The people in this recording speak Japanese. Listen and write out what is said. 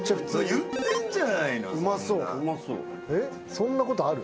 そんなことある？